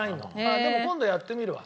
でも今度やってみるわ。